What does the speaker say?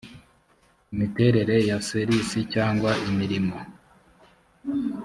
imiterere ya ser isi cyangwa imirimo